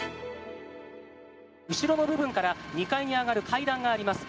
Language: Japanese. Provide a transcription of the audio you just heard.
後ろの部分から２階に上がる階段があります。